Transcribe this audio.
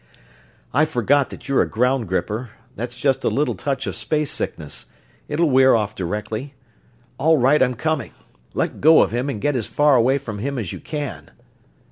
"I forgot that you're a ground gripper that's just a little touch of space sickness. It'll wear off directly.... All right, I'm coming! Let go of him and get as far away from him as you can!"